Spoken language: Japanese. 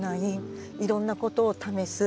いろんなことを試す。